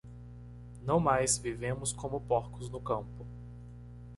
Não mais vivemos como porcos no campo.